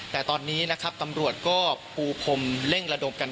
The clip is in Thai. แต่ตอนนี้นะครับตำรวจก็ปูพรมเร่งระดมกัน